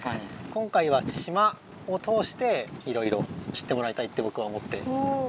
今回は島を通していろいろ知ってもらいたいってぼくは思ってます。